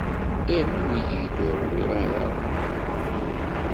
Rnu-yi-d ur ṛwiɣ ara.